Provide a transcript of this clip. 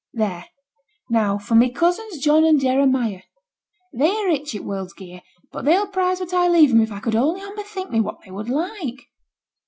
There; now for my cousins John and Jeremiah. They are rich i' world's gear, but they'll prize what I leave 'em if I could only onbethink me what they would like.